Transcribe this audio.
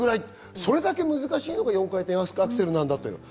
それだけ難しいのが４回転アクセル。